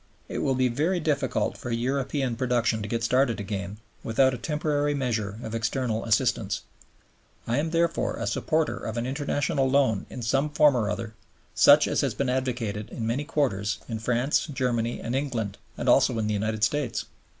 It will be very difficult for European production to get started again without a temporary measure of external assistance. I am therefore a supporter of an international loan in some shape or form, such as has been advocated in many quarters in France, Germany, and England, and also in the United States.